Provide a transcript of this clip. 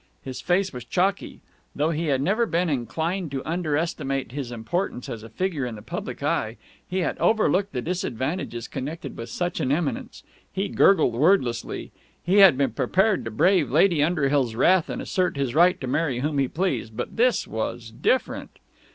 His face was chalky. Though he had never been inclined to underestimate his importance as a figure in the public eye, he had overlooked the disadvantages connected with such an eminence. He gurgled wordlessly. He had been prepared to brave Lady Underhill's wrath and assert his right to marry whom he pleased, but this was different.